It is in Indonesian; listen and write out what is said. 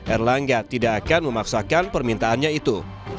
erlangga tidak akan memaksakan permintaannya itu